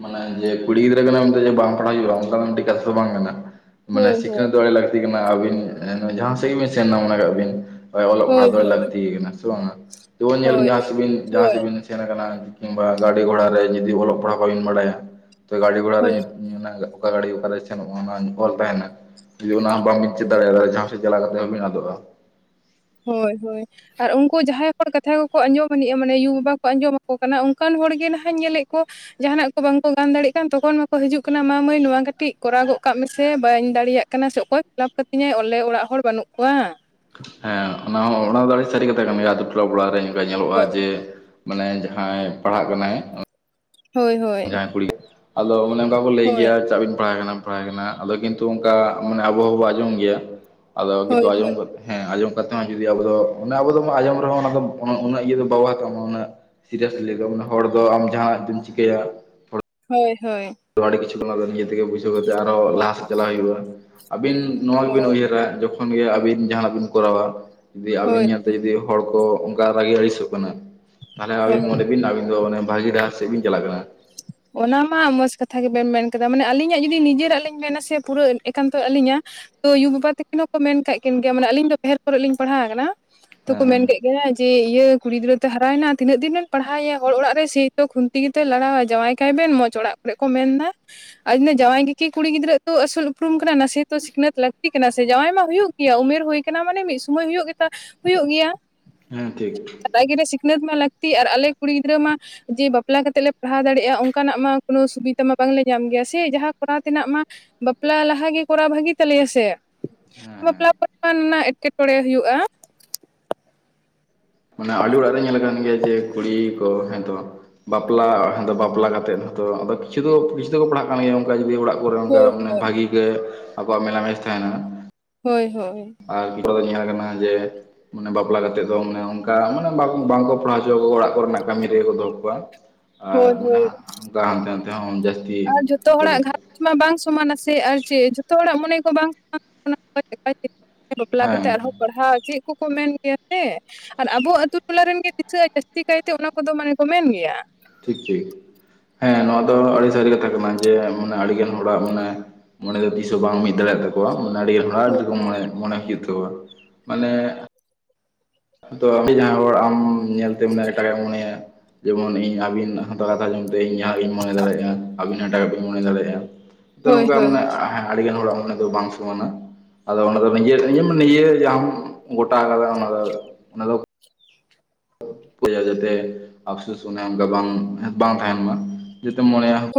ᱢᱟᱱᱮ ᱡᱮ ᱠᱩᱲᱤ ᱜᱤᱫᱽᱨᱟᱹ ᱠᱟᱱᱟ ᱢᱮᱱᱛᱮ, ᱡᱮ ᱵᱟᱝ ᱯᱟᱲᱦᱟᱜ ᱦᱩᱭᱩᱜᱼᱟ, ᱚᱱᱠᱟ ᱫᱚ ᱢᱤᱫᱴᱤᱡᱽ ᱠᱟᱛᱷᱟ ᱫᱚ ᱵᱟᱝ ᱠᱟᱱᱟ ᱾ ᱢᱟᱱᱮ ᱦᱳᱭ ᱥᱤᱠᱷᱱᱟᱹᱛ ᱫᱚ ᱟᱹᱰᱤ ᱞᱟᱹᱠᱛᱤ ᱠᱟᱱᱟ ᱟᱹᱵᱤᱱ ᱱᱚᱼᱚᱭ ᱡᱟᱦᱟᱸ ᱥᱮᱫᱽ ᱜᱮᱵᱤᱱ ᱥᱮᱱᱱᱟ ᱢᱚᱱᱮ ᱠᱟᱜᱽ ᱵᱤᱱ ᱚᱞᱚᱜᱽ ᱦᱳᱭ ᱯᱟᱲᱦᱟᱣ ᱫᱚ ᱦᱳᱭ ᱞᱟᱹᱠᱛᱤ ᱠᱟᱱᱟ ᱥᱮ ᱵᱟᱝ? ᱛᱚ ᱧᱮᱞ ᱵᱤᱱ ᱦᱳᱭ ᱡᱟᱦᱟᱸ ᱦᱳᱭ ᱥᱮᱫᱽ ᱵᱤᱱ ᱥᱮᱱ ᱟᱠᱟᱱᱟ ᱠᱤᱢᱵᱟ ᱜᱟᱹᱰᱤ ᱜᱷᱚᱲᱟ ᱨᱮ ᱡᱚᱫᱤ ᱚᱞᱚᱜ ᱯᱟᱲᱦᱟᱜ ᱵᱟᱵᱤᱱ ᱵᱟᱲᱟᱭᱟ ᱛᱚ ᱜᱟᱹᱰᱤ ᱜᱷᱚᱲᱟ ᱨᱮ ᱦᱳᱭ ᱚᱱᱟ ᱚᱠᱟ ᱜᱟᱹᱰᱤ ᱚᱠᱟ ᱨᱮ ᱥᱮᱱᱚᱜᱼᱟ ᱚᱱᱟ ᱚᱞ ᱛᱟᱦᱮᱱᱟ ᱡᱩᱫᱤ ᱚᱱᱟ ᱦᱚᱸ ᱵᱟᱢᱵᱤᱱ ᱪᱮᱫ ᱦᱳᱭ ᱫᱟᱲᱮᱭᱟᱫᱟ ᱡᱟᱦᱟᱸ ᱥᱮᱫ ᱪᱟᱞᱟ ᱠᱟᱛᱮᱫ ᱦᱚᱸ ᱵᱤᱱ ᱟᱫᱚᱜᱼᱟ ᱾ ᱦᱳᱭ ᱦᱳᱭ᱾ ᱟᱨ ᱩᱱᱠᱩ ᱡᱟᱦᱟᱸᱭ ᱦᱚᱲ ᱠᱟᱛᱷᱟ ᱠᱚᱠᱚ ᱟᱸᱡᱚᱢ ᱟᱹᱱᱤᱡᱜᱼᱟ, ᱢᱟᱱᱮ ᱭᱩ ᱵᱟᱵᱟ ᱠᱚ ᱟᱸᱡᱚᱢ ᱟᱠᱚ ᱠᱟᱱᱟ, ᱚᱱᱠᱟᱱ ᱦᱚᱲ ᱜᱮ ᱱᱟᱦᱟᱜ ᱧᱮᱞᱮᱫ ᱠᱚ ᱡᱟᱦᱟᱱᱟᱜ ᱠᱚ ᱵᱟᱝᱠᱚ ᱜᱟᱱ ᱫᱟᱲᱮᱜ ᱠᱟᱱ ᱛᱚᱠᱷᱚᱱ ᱢᱟᱠᱚ ᱦᱤᱡᱩᱜ ᱠᱟᱱᱟ ᱢᱟ ᱢᱟᱹᱭ ᱱᱚᱣᱟ ᱠᱟᱹᱴᱤᱡ ᱠᱚᱨᱟᱣ ᱜᱚᱜ ᱠᱟᱜ ᱢᱮᱥᱮ ᱵᱟᱹᱧ ᱫᱟᱲᱮᱭᱟᱜ ᱠᱟᱱᱟ ᱥᱮ ᱚᱠᱚᱭ ᱯᱷᱤᱞᱟᱯ ᱠᱟᱛᱤᱧᱟᱭ ᱚᱞᱮ ᱚᱲᱟᱜ ᱦᱚᱲ ᱵᱟᱹᱱᱩᱜ ᱠᱚᱣᱟ ᱾ ᱦᱮᱸ ᱚᱱᱟ ᱦᱚᱸ ᱚᱱᱟ ᱫᱚ ᱟᱹᱰᱤ ᱥᱟᱹᱨᱤ ᱠᱟᱛᱷᱟ ᱠᱟᱱ ᱜᱮᱭᱟ ᱟᱛᱩ ᱴᱚᱞᱟ ᱯᱟᱲᱟ ᱨᱮ ᱚᱱᱠᱟ ᱧᱮᱞᱚᱜᱼᱟ ᱡᱮ ᱢᱟᱱᱮ ᱡᱟᱦᱟᱸᱭ ᱯᱟᱲᱦᱟᱜ ᱠᱟᱱᱟᱭ ᱦᱳᱭ ᱦᱳᱭ ᱡᱟᱦᱟᱸᱭ ᱠᱩᱲᱤ, ᱟᱫᱚ ᱚᱱᱮ ᱚᱱᱠᱟ ᱠᱚ ᱞᱟᱹᱭ ᱦᱳᱭ ᱜᱮᱭᱟ ᱪᱟᱜ ᱵᱤᱱ ᱯᱟᱲᱦᱟᱣᱮ ᱠᱟᱱᱟ ᱾ ᱯᱟᱲᱦᱟᱣᱮ ᱠᱟᱱᱟ, ᱟᱫᱚ ᱠᱤᱱᱛᱩ ᱚᱱᱠᱟ ᱢᱟᱱᱮ ᱟᱵᱚ ᱦᱚᱸᱵᱚ ᱟᱸᱡᱚᱢ ᱜᱮᱭᱟ, ᱟᱫᱚ ᱠᱤᱱᱛᱩ ᱦᱳᱭ ᱦᱳᱭ ᱟᱸᱡᱚᱢ ᱠᱟᱛᱮ ᱦᱮᱸ ᱟᱸᱡᱚᱢ ᱠᱟᱛᱮᱫ ᱦᱚᱸ, ᱡᱚᱫᱤ ᱟᱵᱚ ᱫᱚ ᱚᱱᱟ ᱟᱵᱚ ᱫᱚ ᱟᱸᱡᱚᱢ ᱨᱮᱦᱚᱸ, ᱚᱱᱟ ᱫᱚ ᱩᱱᱟᱹᱜ ᱤᱭᱟᱹ ᱫᱚ ᱵᱟᱵᱚ ᱦᱟᱛᱟᱣᱟ ᱩᱱᱟᱜ ᱥᱤᱫᱟ. ᱥ [unintelligible] ᱦᱚᱲ ᱫᱚ ᱟᱢ ᱡᱟᱦᱟᱸ ᱛᱮᱢ ᱪᱤᱠᱟᱹᱭᱟ ᱾ ᱦᱳᱭ ᱦᱳᱭ ᱾ ᱟᱹᱰᱤ ᱠᱤᱪᱷᱩ ᱱᱤᱡᱮ ᱛᱮᱜᱮ ᱵᱩᱡᱷᱟᱹᱣ ᱠᱟᱛᱮ ᱟᱨᱦᱚ ᱞᱟᱦᱟ ᱥᱮᱫ ᱪᱟᱞᱟᱣ ᱦᱩᱭᱩᱜᱼᱟ ᱾ ᱟᱹᱵᱤᱱ ᱱᱚᱣᱟ ᱜᱮᱵᱤᱱ ᱦᱳᱭ ᱩᱭᱦᱟᱹᱨᱟ, ᱡᱚᱠᱷᱚᱱ ᱜᱮ ᱟᱹᱵᱤᱱ ᱡᱟᱦᱟᱱᱟᱜ ᱵᱤᱱ ᱠᱚᱨᱟᱣᱟ ᱫᱮ ᱟᱵᱤᱱ ᱦᱳᱭ ᱧᱮᱞᱛᱮ ᱡᱩᱫᱤ ᱦᱚᱲ ᱠᱚ ᱚᱱᱠᱟ ᱨᱟᱜᱤ ᱟᱹᱲᱤᱥᱚᱜ ᱠᱟᱱᱟ, ᱛᱟᱦᱞᱮ ᱦᱳᱭ ᱟᱹᱵᱤᱱ ᱢᱚᱱᱮ ᱵᱤᱱ ᱟᱹᱵᱤᱱ ᱫᱚ ᱚᱱᱮ ᱵᱷᱟᱹᱜᱤ ᱰᱟᱦᱟᱨ ᱥᱮᱜ ᱵᱤᱱ ᱪᱟᱞᱟᱜ ᱠᱟᱱᱟ ᱾ ᱚᱱᱟ ᱢᱟ ᱢᱚᱡᱽ ᱠᱟᱛᱷᱟ ᱜᱮᱵᱮᱱ ᱢᱮᱱ ᱠᱟᱫᱟ ᱾ ᱢᱟᱱᱮ, ᱟᱹᱞᱤᱧᱟᱜ ᱡᱩᱫᱤ ᱱᱤᱡᱮᱨᱟᱜ ᱞᱤᱧ ᱢᱮᱱᱟ ᱥᱮ ᱯᱩᱨᱟᱹ ᱮᱠᱟᱱᱛᱚ ᱟᱹᱞᱤᱧᱟᱜ ᱛᱚ ᱭᱩ ᱵᱟᱵᱟ ᱛᱟᱹᱠᱤᱱ ᱦᱚᱸᱠᱚ ᱢᱮᱱ ᱠᱟᱜ ᱠᱤᱱ ᱜᱮᱭᱟ, ᱢᱟᱱᱮ ᱟᱹᱞᱤᱧ ᱫᱚ ᱰᱷᱮᱨ ᱠᱚᱨᱮᱜ ᱞᱤᱧ ᱯᱟᱲᱦᱟᱣ ᱟᱠᱟᱱᱟ ᱛᱚ ᱦᱮᱸ ᱠᱚ ᱢᱮᱱ ᱦᱮᱸ ᱠᱮᱫ ᱜᱮᱭᱟ ᱡᱮ ᱤᱭᱟᱹ ᱠᱩᱲᱤ ᱜᱤᱫᱽᱨᱟᱹᱛᱮ ᱦᱟᱨᱟᱭᱮᱱᱟ, ᱛᱤᱱᱟᱹᱜ? ᱫᱤᱱ ᱮᱢ ᱯᱟᱲᱦᱟᱣᱭᱟ ᱦᱚᱲ ᱚᱲᱟᱜ ᱥᱮᱭ ᱛᱚ ᱠᱷᱩᱱᱛᱤ ᱜᱮᱛᱚᱭ ᱞᱟᱲᱟᱣᱟ ᱡᱟᱶᱟᱭ ᱠᱟᱭᱵᱮᱱ ᱢᱚᱡᱽ ᱚᱲᱟᱜ ᱠᱚᱨᱮᱜ ᱠᱚ ᱢᱮᱱᱫᱟ ᱾ [unintelligible] ᱡᱟᱶᱟᱭ ᱜᱮᱠᱤ ᱠᱩᱲᱤ ᱜᱤᱫᱽᱨᱟᱹ ᱛᱚ ᱟᱹᱥᱩᱞ ᱩᱯᱨᱩᱢ ᱠᱟᱱᱟ ᱱᱟᱥᱮ ᱛᱚ ᱥᱤᱠᱷᱱᱟᱹᱛ ᱞᱟᱹᱠᱛᱤ ᱠᱟᱱᱟ ᱥᱮ ᱡᱟᱶᱟᱭ ᱢᱟ ᱦᱩᱭᱩᱜ। ᱜᱮᱭᱟ ᱩᱢᱮᱨ ᱦᱳᱭ ᱠᱟᱱᱟ ᱢᱟᱱᱮ ᱢᱤᱫ ᱥᱚᱢᱚᱭ ᱦᱳᱭᱳᱜ ᱜᱮᱛᱟ ᱦᱼᱦᱳᱭᱳᱜ ᱜᱮᱭᱟ᱾ ᱦᱮᱸ ᱴᱷᱤᱠ ᱾ [unintelligible] ᱥᱤᱠᱷᱱᱟᱹᱛ ᱢᱟ ᱞᱟᱹᱠᱛᱤ ᱟᱨ ᱟᱞᱮ ᱠᱩᱲᱤ ᱜᱤᱫᱽᱨᱟᱹ ᱢᱟ ᱡᱮ ᱵᱟᱯᱞᱟ ᱠᱟᱛᱮᱜ ᱞᱮ ᱯᱟᱲᱦᱟᱣ ᱫᱟᱲᱮᱭᱟᱜᱼᱟ᱾ ᱚᱱᱠᱟᱱᱟᱜ ᱢᱟ ᱠᱳᱱᱳ ᱥᱩᱵᱤᱫᱷᱟ ᱢᱟ ᱵᱟᱝᱞᱮ ᱧᱟᱢ ᱜᱮᱭᱟ ᱥᱮ ᱡᱟᱦᱟᱸ ᱠᱚᱨᱟᱣ ᱛᱮᱱᱟᱜ ᱢᱟ ᱵᱟᱯᱞᱟ ᱞᱟᱦᱟ ᱜᱮ ᱠᱚᱨᱟᱣ ᱵᱷᱟᱹᱜᱮ ᱛᱟᱞᱮᱭᱟ ᱥᱮ। ᱦᱮᱸ ᱦᱮᱸ ᱵᱟᱯᱞᱟ [unintelligible] ᱨᱮᱱᱟᱜ ᱮᱴᱠᱮᱴᱚᱬᱮ ᱦᱩᱭᱩᱜᱼᱟ᱾ ᱢᱟᱱᱮ ᱟᱹᱰᱤ ᱚᱲᱟᱜ ᱨᱮ ᱧᱮᱞ ᱠᱟᱱ ᱜᱮᱭᱟ ᱡᱮ ᱠᱩᱲᱤ ᱠᱚ, ᱦᱮᱸ ᱛᱚᱼᱼ ᱵᱟᱯᱞᱟ ᱦᱮ ᱫᱚ ᱵᱟᱯᱞᱟ ᱠᱟᱛᱮᱫ ᱦᱚᱛᱚ ᱠᱤᱪᱷᱩ ᱫᱚ ᱠᱤᱪᱷᱩ ᱫᱚᱠᱚ ᱯᱟᱲᱦᱟᱜᱼᱼ [unintelligible] ᱚᱱᱠᱟ ᱡᱩᱫᱤ ᱚᱲᱟᱜ ᱠᱚᱨᱮᱜ ᱚᱱᱠᱟ ᱦᱳᱭ ᱢᱟᱱᱮ ᱦᱳᱭ ᱵᱷᱟᱜᱤ ᱜᱮ ᱟᱠᱚᱣᱟᱜ ᱢᱮᱞᱟ ᱢᱮᱥ ᱛᱟᱦᱮᱱᱟ। ᱦᱳᱭ ᱦᱳᱭ। ᱟᱨ ᱱᱤᱛᱚᱜ ᱫᱚ ᱧᱮᱞ ᱠᱟᱱᱟ ᱡᱮᱼᱼ ᱢᱟᱱᱮ ᱵᱟᱯᱞᱟ ᱠᱟᱛᱮᱜ ᱫᱚ ᱢᱟᱱᱮ ᱚᱱᱠᱟ ᱢᱟᱱᱮ ᱵᱟᱝᱠᱚ ᱯᱟᱲᱦᱟᱣ ᱦᱚᱪᱚᱣᱟ ᱚᱲᱟᱜ ᱠᱚᱨᱮᱱᱟᱜ ᱠᱟᱹᱢᱤ ᱨᱮᱜᱮ ᱠᱚ ᱫᱚᱦᱚ ᱠᱚᱣᱟ। ᱟᱨ ᱦᱳᱭ ᱚᱱᱟ ᱦᱳᱭ ᱦᱟᱜ ᱦᱟᱱᱛᱮ ᱱᱟᱛᱮ ᱦᱚᱸ [unintelligible] ᱟᱨ ᱡᱷᱚᱛᱚ ᱦᱚᱲᱟᱜ ᱜᱷᱟ ᱢᱟ ᱵᱟᱝ ᱥᱚᱢᱟᱱᱟ ᱥᱮ ᱟᱨ ᱪᱮᱫ ᱡᱷᱚᱛᱚ ᱦᱚᱲᱟᱜ ᱢᱚᱱᱮ ᱠᱚ ᱵᱟᱝ [unintelligible] ᱵᱟᱯᱞᱟ ᱦᱮᱸ ᱠᱟᱛᱮᱫ ᱟᱨᱦᱚᱸ ᱯᱟᱲᱦᱟᱣ ᱪᱮᱫ ᱠᱚᱠᱚ ᱢᱮᱱ ᱜᱮᱭᱟ ᱥᱮ᱾ ᱟᱨ ᱟᱵᱚ ᱟᱛᱳ ᱴᱚᱞᱟ ᱨᱮᱱᱜᱮ ᱫᱤᱥᱟᱹᱜᱼᱟ ᱡᱟᱹᱥᱛᱤ ᱠᱟᱭᱛᱮ ᱚᱱᱟ ᱠᱚᱫᱚ ᱢᱟᱱᱮ ᱠᱚ ᱢᱮᱱ ᱜᱮᱭᱟ। ᱴᱷᱤᱠ ᱴᱷᱤᱠ ᱦᱮᱸ ᱱᱚᱶᱟ ᱦᱳᱭ ᱫᱚ ᱟᱹᱰᱤ ᱥᱟᱹᱨᱤ ᱠᱟᱛᱷᱟ᱾ ᱠᱟᱛᱷᱟ ᱠᱟᱱᱟ ᱡᱮ ᱢᱟᱱᱮ ᱟᱹᱰᱤᱜᱟᱱ ᱦᱚᱲᱟᱜ ᱢᱟᱱᱮ ᱢᱚᱱᱮ ᱫᱚ ᱛᱤᱥ ᱦᱚᱸ ᱵᱟᱝ ᱢᱤᱫ ᱫᱟᱲᱮᱭᱟᱜ ᱛᱟᱠᱚᱣᱟ ᱢᱟᱱᱮ ᱦᱳᱭ ᱟᱹᱰᱤᱜᱟᱱ। [unintelligible] ᱢᱟᱱᱮ [unintelligible] ᱦᱚᱲ ᱟᱢ ᱧᱮᱞ ᱛᱮ ᱢᱟᱱᱮ ᱮᱴᱟᱜᱟᱜ ᱮ ᱢᱚᱱᱮᱭᱟ। ᱡᱮᱢᱚᱱ ᱤᱧ ᱟᱹᱵᱤᱱ ᱦᱟᱛ ᱠᱟᱛᱷᱟ ᱡᱚᱢᱛᱮ ᱤᱧ ᱡᱟᱦᱟᱸ ᱜᱤᱧ ᱢᱚᱱᱮ ᱫᱟᱲᱮᱭᱟᱜᱼᱟ, ᱟᱹᱵᱤᱱ ᱦᱟᱜ ᱮᱴᱟᱠᱟᱵ ᱵᱤᱱ ᱢᱚᱱᱮ ᱫᱟᱲᱮᱭᱟᱜᱼᱟ। ᱛᱚ ᱦᱳᱭ ᱱᱚᱝᱠᱟ ᱦᱳᱭ ᱢᱟᱱᱮ ᱟᱹᱰᱤᱜᱟᱱ ᱦᱚᱲᱟᱜ ᱢᱚᱱᱮ ᱫᱚ ᱵᱟᱝ ᱥᱚᱢᱟᱱᱟ। ᱟᱫᱚ ᱚᱱᱟ ᱫᱚ ᱱᱤᱡᱮ ᱱᱤᱡᱮᱢ ᱱᱤᱡᱮ ᱟᱢ ᱜᱚᱴᱟ ᱠᱟᱫᱟ ᱚᱱᱟ ᱫᱚ ᱚᱱᱟ ᱫᱚ᱾ ᱚᱠᱚᱭᱟᱜ ᱡᱟᱛᱮ ᱟᱯᱥᱳᱥ ᱚᱱᱮ ᱚᱱᱠᱟ ᱵᱟᱝ, ᱵᱟᱝ ᱛᱟᱦᱮᱱ ᱢᱟ ᱡᱩᱫᱤᱢ ᱢᱚᱱᱮᱭᱟ।